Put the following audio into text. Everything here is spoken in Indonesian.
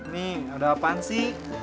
nih ada apaan sih